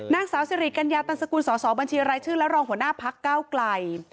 นางสาวสิริกัญญาตันสกุลสอสอบัญชีรายชื่อและรองหัวหน้าพักเก้าไกล